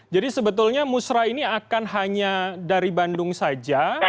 jadi sebetulnya musra ini akan hanya dari bandung saja